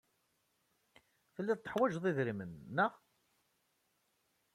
Telliḍ teḥwajeḍ idrimen, naɣ?